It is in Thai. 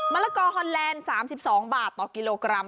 ละกอฮอนแลนด์๓๒บาทต่อกิโลกรัม